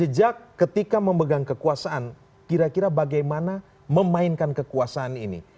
jejak ketika memegang kekuasaan kira kira bagaimana memainkan kekuasaan ini